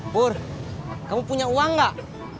pur kamu punya uang gak